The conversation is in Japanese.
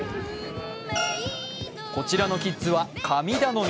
こちらのキッズは神頼み。